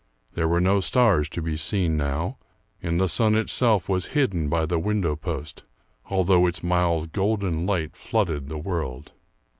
There were no stars to be seen now, and the sun itself was hidden by the window post, although its mild golden light flooded the world.